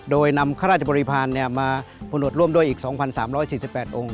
โดยนำข้าราชบริพาณมาผนวดร่วมด้วยอีก๒๓๔๘องค์